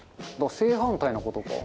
正反対なことか。